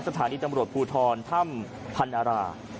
สถานีตำรวจภูทรถ้ำพันรา